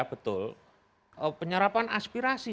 betul penyerapan aspirasi